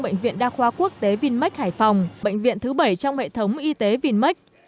bệnh viện đa khoa quốc tế vinmec hải phòng bệnh viện thứ bảy trong hệ thống y tế vinmec